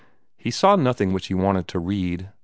He saw nothing which he wanted to read.